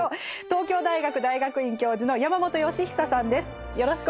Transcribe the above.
東京大学大学院教授の山本芳久さんです。